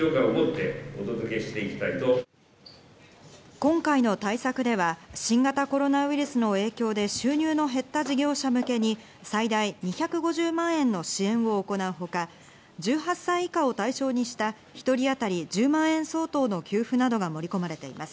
今回の対策では新型コロナウイルスの影響で収入の減った事業者向けに最大２５０万円の支援を行うほか、１８歳以下を対象にした１人当たり１０万円相当の給付などが盛り込まれています。